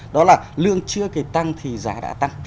đó là lương chưa kể tăng thì giá đã tăng